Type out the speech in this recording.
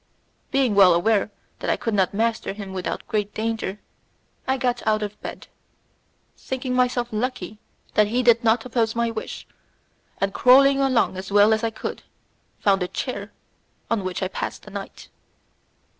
Being well aware that I could not master him without great danger, I got out of bed, thinking myself lucky that he did not oppose my wish, and crawling along as well as I could, I found a chair on which I passed the night.